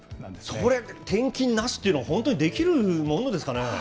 それ、転勤なしっていうの、本当にできるものなんですかね。